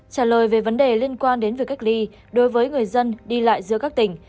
trả lời về vấn đề liên quan đến việc cách ly đối với người dân đi lại giữa các tỉnh